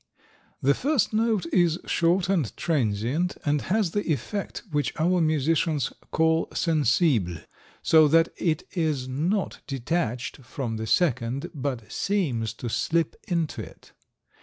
The first note is short and transient, and has the effect which our musicians call sensible, so that it is not detached from the second, but seems to slip into it.